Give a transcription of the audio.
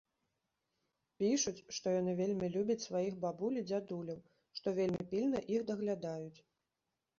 Пішуць, што яны вельмі любяць сваіх бабуль і дзядуляў, што вельмі пільна іх даглядаюць.